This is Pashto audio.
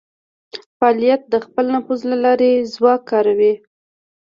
فعالین د خپل نفوذ له لارې ځواک کاروي